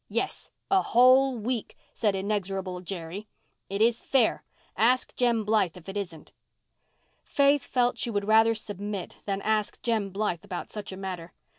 "Yes, a whole week," said inexorable Jerry. "It is fair—ask Jem Blythe if it isn't." Faith felt she would rather submit then ask Jem Blythe about such a matter.